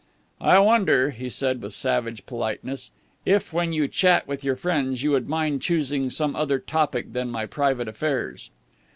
"I wonder," he said with savage politeness, "if, when you chat with your friends, you would mind choosing some other topic than my private affairs."